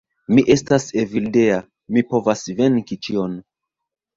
Mi estas Evildea, mi povas venki ĉion.